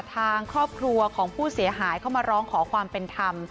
ทางครอบครัวของผู้เสียหายเข้ามาร้องขอความเป็นธรรม